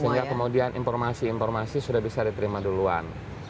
sehingga kemudian informasi informasi sudah bisa diterima duluan